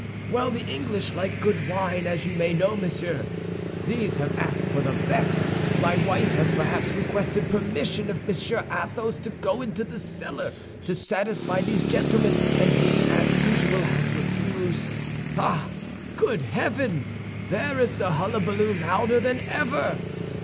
"Well, the English like good wine, as you may know, monsieur; these have asked for the best. My wife has perhaps requested permission of Monsieur Athos to go into the cellar to satisfy these gentlemen; and he, as usual, has refused. Ah, good heaven! There is the hullabaloo louder than ever!"